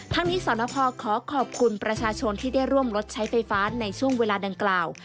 ทั้งนี้สรณพขอขอบคุณประชาชนที่ได้ร่วมรถใช้ไฟฟ้าในช่วงเวลาดังกล่าว